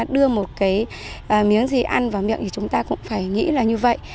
đưa một cái miếng gì ăn vào miệng thì chúng ta cũng phải nghĩ là như vậy